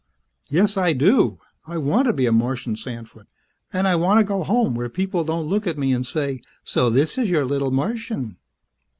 "Yes, I do! I want to be a Martian sandfoot. And I want to go home where people don't look at me and say, 'So this is your little Martian!'"